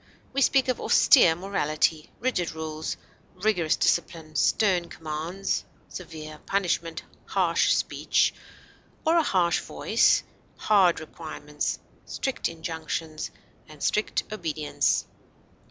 We speak of austere morality, rigid rules, rigorous discipline, stern commands, severe punishment, harsh speech or a harsh voice, hard requirements, strict injunctions, and strict obedience.